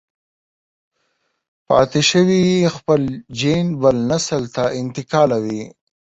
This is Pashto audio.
پاتې شوی يې خپل جېن بل نسل ته انتقالوي.